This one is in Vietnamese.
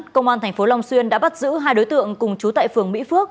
công an tp long xuyên đã bắt giữ hai đối tượng cùng chú tại phường mỹ phước